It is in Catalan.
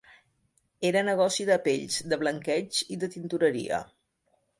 Era negoci de pells, de blanqueig i de tintoreria